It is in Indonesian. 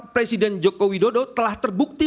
presiden jokowi dodo telah terbukti